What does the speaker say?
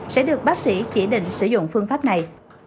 sẽ được bác sĩ chỉ định sử dụng phương pháp này